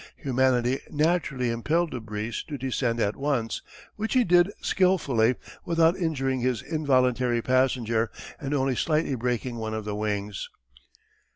Humanity naturally impelled Le Bris to descend at once, which he did skilfully without injuring his involuntary passenger, and only slightly breaking one of the wings.